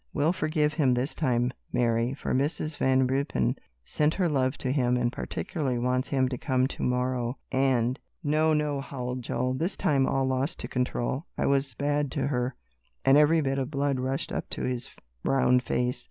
"We'll forgive him this time, Mary, for Mrs. Van Ruypen sent her love to him, and particularly wants him to come to morrow, and " "No, no," howled Joel, this time all lost to control, "I was bad to her," and every bit of blood rushed up to his round face.